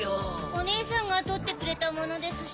おねえさんが取ってくれたものですし。